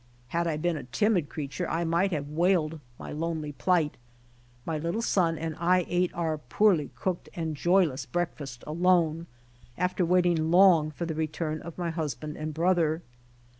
Had I been a timid creature I might have wailed my lonely plight. My little son and I ate our poorly cooked and joyless breakfast alone, after waiting long for the return of my husband and brother.